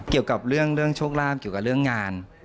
เกี่ยวกับเรื่องโชคลาภเกี่ยวกับเรื่องงาน